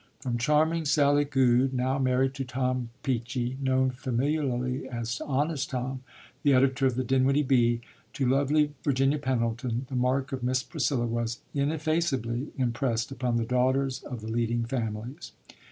From charming Sally Goode, now married to Tom Peachey, known familiarly as "honest Tom," the editor of the Dinwiddie Bee, to lovely Virginia Pendleton, the mark of Miss Priscilla was ineffaceably impressed upon the daughters of the leading families.